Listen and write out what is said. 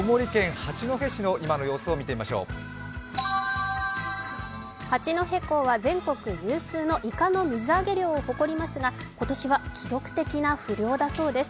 八戸港は全国有数のイカの水揚げ量を誇りますが今年は記録的な不漁だそうです。